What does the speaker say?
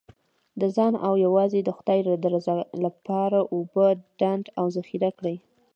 د ځان او یوازې د خدای د رضا لپاره اوبه ډنډ او ذخیره کړئ.